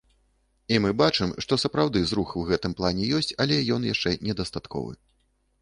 І мы бачым, што сапраўды зрух у гэтым плане ёсць, але ён яшчэ недастатковы.